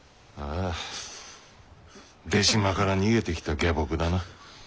ああ出島から逃げてきた下僕だな。